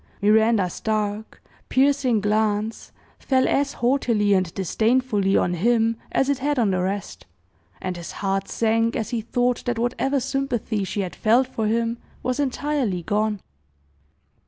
Miranda's dark, piercing glance fell as haughtily and disdainfully on him as it had on the rest; and his heart sank as he thought that whatever sympathy she had felt for him was entirely gone.